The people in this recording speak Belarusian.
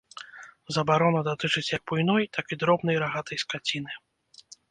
Забарона датычыць як буйной, так і дробнай рагатай скаціны.